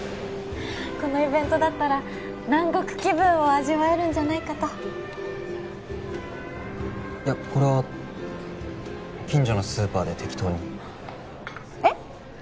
このイベントだったら南国気分を味わえるんじゃないかといやこれは近所のスーパーで適当にえっ？